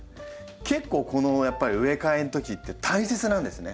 結構この植え替えのときって大切なんですね。